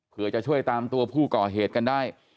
เพื่อจะช่วยตามตัวผู้ก่อเหตุกันได้